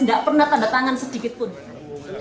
tidak pernah tanda tangan sedikitpun